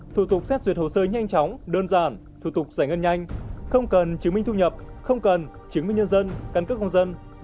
thủ tục xét duyệt hồ sơ nhanh chóng đơn giản thủ tục giải ngân nhanh không cần chứng minh thu nhập không cần chứng minh nhân dân căn cước công dân